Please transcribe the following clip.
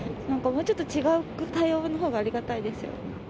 なんかもうちょっと違う対応のほうがありがたいですよね。